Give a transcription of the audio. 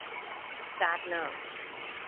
การ์ดเนอร์